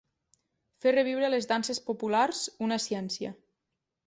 Fer reviure les danses populars, una ciència.